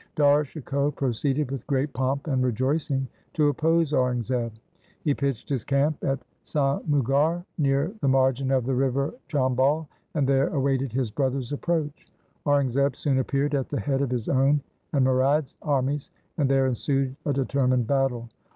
Dara Shikoh proceeded with great pomp and rejoicing to oppose Aurangzeb. He pitched his camp at Samugarh near the margin of the river Chambal, and there awaited his brother's approach. Aurangzeb soon appeared at the head of his own and Murad's armies, and there ensued a determined battle.